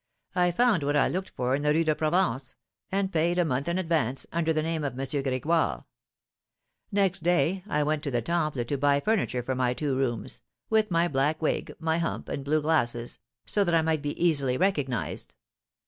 I found what I looked for in the Rue de Provence, and paid a month in advance, under the name of M. Grégoire. Next day I went to the Temple to buy furniture for my two rooms, with my black wig, my hump, and blue glasses, so that I might be easily recognised.